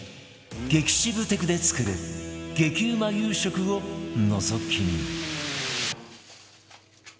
激しぶテクで作る激うま夕食をのぞき見